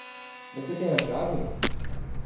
Você tem a chave?